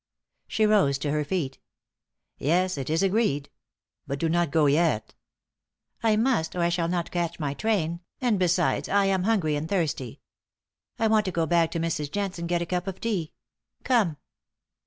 She rose to her feet. "Yes, it is agreed. But do not go yet." "I must, or I shall not catch my train, and, besides, I am hungry and thirsty. I want to go back to Mrs. Jent's and get a cup of tea. Come."